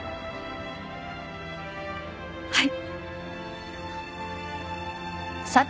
はい！